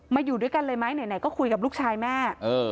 อยู่ด้วยกันเลยไหมไหนก็คุยกับลูกชายแม่